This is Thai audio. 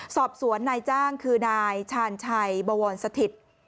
สอบสวนนายจ้างคือนายชาญชัยบวรสถิต